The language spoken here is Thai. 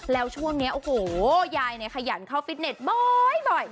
แล้วช่วงนี้โอ้โหยายเนี่ยขยันเข้าฟิตเน็ตบ่อย